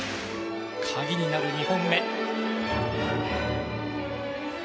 鍵になる２本目。